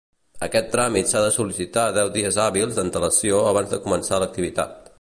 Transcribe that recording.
Aquest tràmit s'ha de sol·licitar deu dies hàbils d'antelació abans de començar l'activitat.